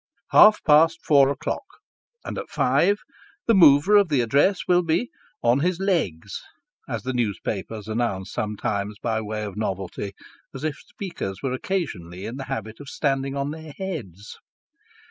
Half past four o'clock and at five the mover of the Address will be " on his legs," as the newspapers announce sometimes by way of novelty, as if speakers were occasionally in the habit of standing on their heads.